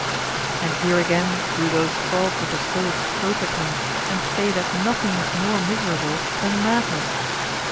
And here again do those frogs of the Stoics croak at me and say that nothing is more miserable than madness.